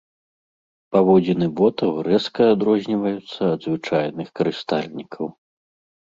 Паводзіны ботаў рэзка адрозніваюцца ад звычайных карыстальнікаў.